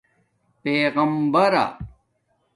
پیغمبرا